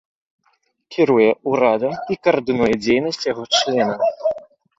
Кіруе урадам і каардынуе дзейнасць яго членаў.